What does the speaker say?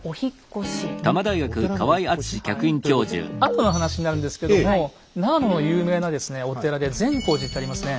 後の話になるんですけども長野の有名なですねお寺で善光寺ってありますね。